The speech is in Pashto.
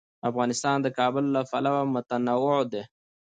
افغانستان د کابل له پلوه متنوع دی.